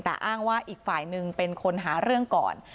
แต่อ้างว่าอีกฝ่ายหนึ่งเป็นคนหาเรื่องก่อน